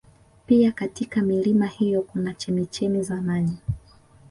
Pia katika milima hiyo kuna chemichemi za maji